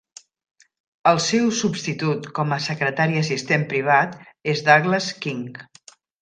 El seu substitut com a secretari assistent privat és Douglas King.